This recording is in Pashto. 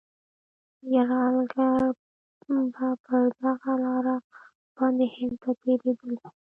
یرغلګر به پر دغه لاره باندي هند ته تېرېدل.